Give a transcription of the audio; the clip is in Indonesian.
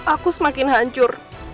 aku semakin hancur